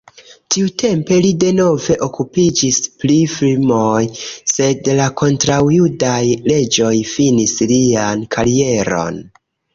Tiutempe li denove okupiĝis pri filmoj, sed la kontraŭjudaj leĝoj finis lian karieron.